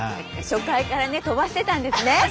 初回からね飛ばしてたんですね。